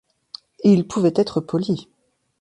Il pouvait être poli.